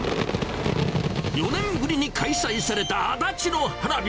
４年ぶりに開催された足立の花火。